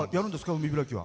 海開きは。